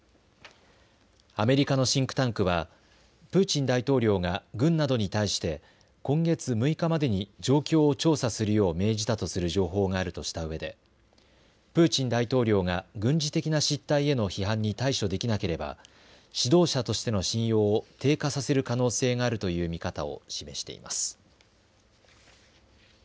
アメリカのシンクタンクはプーチン大統領が軍などに対して今月６日までに状況を調査するよう命じたとする情報があるとしたうえでプーチン大統領が軍事的な失態への批判に対処できなければ指導者としての信用を低下させる可能性があるという見方を示しています。